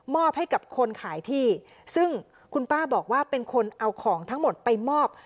ให้กับคนขายที่ซึ่งคุณป้าบอกว่าเป็นคนเอาของทั้งหมดไปมอบ